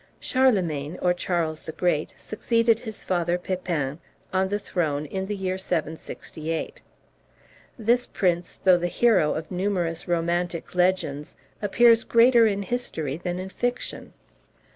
Charlemagne, or Charles the Great, succeeded his father, Pepin, on the throne in the year 768. This prince, though the hero of numerous romantic legends, appears greater in history than in fiction.